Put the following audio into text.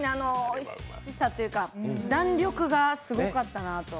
おいしさというか弾力がすごかったなと。